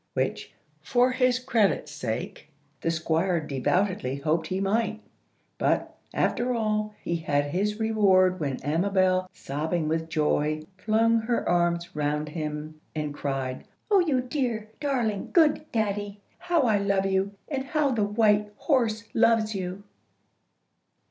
Which, for his credit's sake, the Squire devoutly hoped he might. But, after all, he had his reward when Amabel, sobbing with joy, flung her arms round him, and cried,— "Oh, you dear, darling, good daddy! How I love you and how the white horse loves you!"